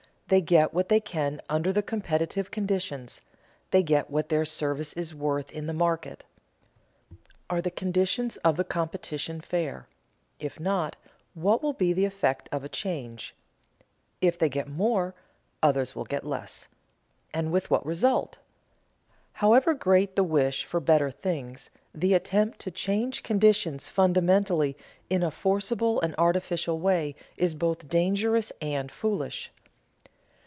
They get what they can under the competitive conditions, they get what their service is worth in the market. Are the conditions of the competition fair? If not, what will be the effect of a change? If they get more, others will get less; and with what result? However great the wish for better things, the attempt to change conditions fundamentally in a forcible and artificial way is both dangerous and foolish.